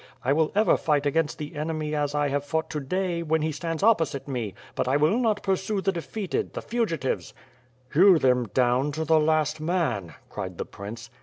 I will ever fight against the enemy as I have fought to day. When he stends opposite me; but I will not pursue the defeated, the fugitives." "Hew them down to the last man," cried the prince.